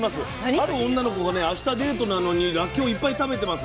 ある女の子がねあしたデートなのにらっきょういっぱい食べてます。